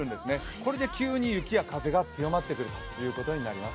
これで急に雪や風が強まってくることになります。